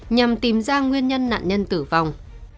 nhằm tìm ra nguyên nhân nạn nhân tử vong